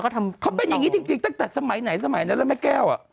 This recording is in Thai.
เขาเป็นอย่างนี้จริงตั้งแต่สมัยไหนสมัยนั้นแล้วแม่แก้ว